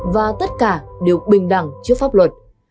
và tất cả đều bình đẳng trước pháp luật